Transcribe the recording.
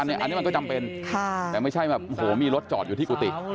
อันนี้มันก็จำเป็นแต่ไม่ใช่แบบโอ้โหมีรถจอดอยู่ที่กุฏิ